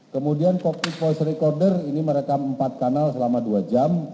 kemudian cockpit voice recorder ini merekam empat kanal selama dua jam